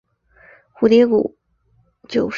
蝴蝶谷道宠物公园就是。